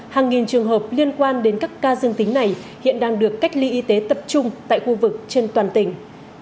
hàng nghìn trường hợp liên quan đến các ca dương tính này hiện đang được cách ly y tế tập trung tại khu vực trên toàn tỉnh